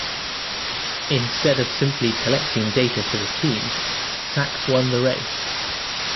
Instead of simply collecting data for the team, Sacks won the race.